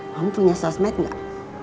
kamu punya sosmed gak